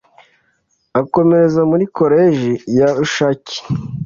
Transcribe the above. akomereza muri coleje ya rushaki,